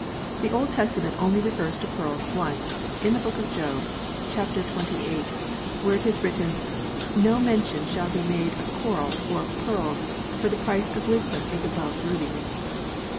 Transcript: The Old Testament only refers to pearls once, in the book of Job (chap, xxviii), where it is written, " No mention shall be made of coral, or of pearls ; for the price of wisdom is above rubies."